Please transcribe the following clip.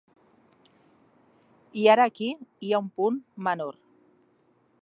I ara aquí hi ha un punt menor.